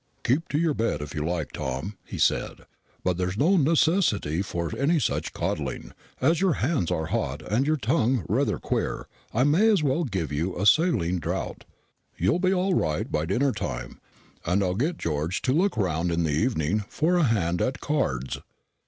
"Keep your bed, if you like, Tom," he said, "but there's no necessity for any such coddling. As your hands are hot, and your tongue rather queer, I may as well give you a saline draught. You'll be all right by dinner time, and I'll get George to look round in the evening for a hand at cards."